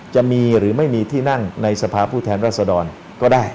จะมีหรือไม่มีที่นั่งในสภาพผู้แทนรัศดรก็ได้